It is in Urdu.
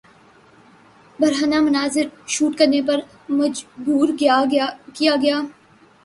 برہنہ مناظر شوٹ کرنے پر مجبور کیا گیا